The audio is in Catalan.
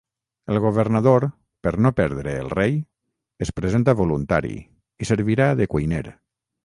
El governador, per no perdre el rei, es presenta voluntari, i servirà de cuiner.